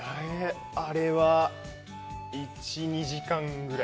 あれは１２時間ぐらい。